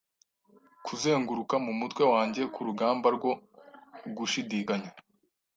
Kuzenguruka mumutwe wanjye kurugamba rwo gushidikanya